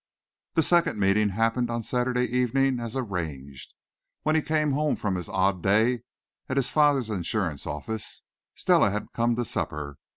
The second meeting happened on Saturday evening as arranged, when he came home from his odd day at his father's insurance office. Stella had come to supper.